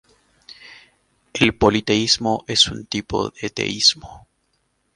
El politeísmo es un tipo de teísmo.